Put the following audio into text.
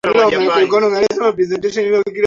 hafla hii ilifuatana na viliyo na majonzi mazito